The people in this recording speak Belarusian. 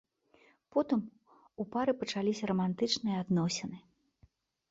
Потым у пары пачаліся рамантычныя адносіны.